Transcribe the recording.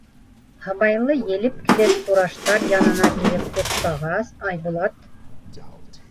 Һыбайлы елеп килеп Сураштар янына килеп туҡтағас, Айбулат: